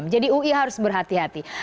menjadi ui harus berhati hati